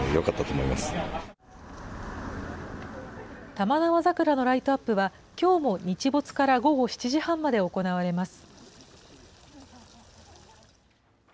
玉縄桜のライトアップは、きょうも日没から午後７時半まで行われます。